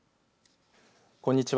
こんにちは。